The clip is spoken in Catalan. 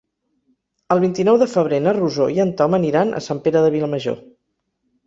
El vint-i-nou de febrer na Rosó i en Tom aniran a Sant Pere de Vilamajor.